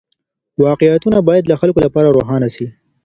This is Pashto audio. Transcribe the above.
واقعيتونه بايد د خلګو لپاره روښانه سي.